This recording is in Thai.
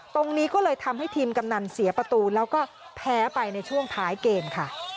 ตรงนี้ก็เลยทำให้ทีมกำนันเสียประตูแล้วก็แพ้ไปในช่วงท้ายเกมค่ะ